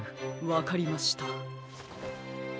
わかりました。